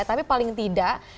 tapi paling tidak